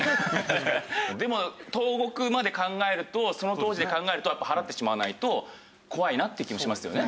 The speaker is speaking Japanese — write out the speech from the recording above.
でも投獄まで考えるとその当時で考えるとやっぱり払ってしまわないと怖いなって気もしますよね。